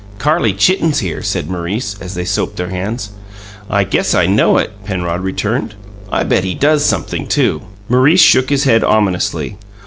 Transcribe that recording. "Carrie Chitten's here," said Maurice, as they soaped their hands. "I guess I know it," Penrod returned. "I bet he does sumpthing, too." Maurice shook his head ominously.